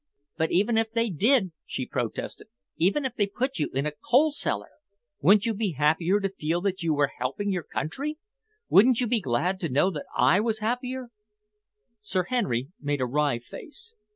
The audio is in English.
"But even if they did," she protested, "even if they put you in a coal cellar, wouldn't you be happier to feel that you were helping your country? Wouldn't you be glad to know that I was happier?" Sir Henry made a wry face.